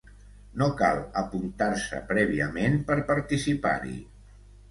No cal apuntar-se prèviament per participar-hi.